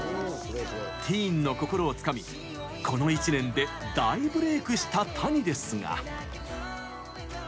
ティーンの心をつかみこの１年で大ブレイクしたＴａｎｉですが。